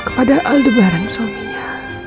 kepada aldebaran suaminya